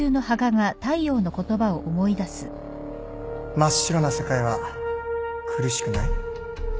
真っ白な世界は苦しくない？